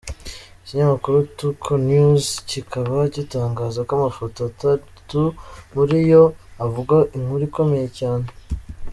Ikinyamakuru Tuko News kikaba gitangaza ko amafoto atatu muri yo, avuga inkuru ikomeye cyane.